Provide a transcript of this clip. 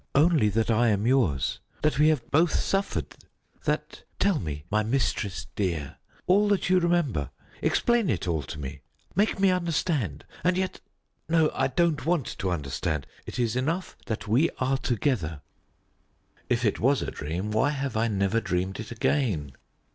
"Only that I am yours; that we have both suffered; that Tell me, my mistress dear, all that you remember. Explain it all to me. Make me understand. And yet No, I don't want to understand. It is enough that we are together." If it was a dream, why have I never dreamed it again?